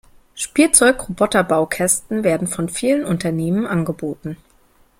Spielzeug-Roboterbaukästen werden von vielen Unternehmen angeboten.